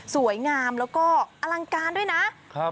สวยงามแล้วก็อลังการด้วยนะ